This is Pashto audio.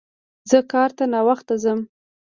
زه کار ته ناوخته ځم